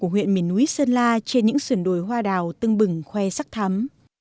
hứa đào tưng bừng khoe sắc thắm